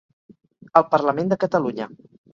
El Parlament de Catalunya